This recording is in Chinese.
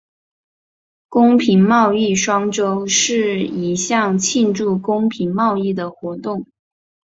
公平贸易双周是一项庆祝公平贸易的活动。